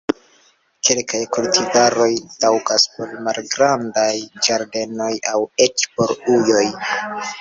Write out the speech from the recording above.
Kelkaj kultivaroj taŭgas por malgrandaj ĝardenoj aŭ eĉ por ujoj.